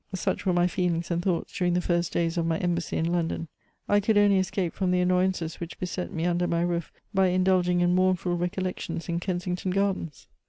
Such were my feelings and thoughts during the first days of my embassy in London. I could only escape from the annoyances which beset me under my roof by indulging in mournful recol lections in Kensington Gardens.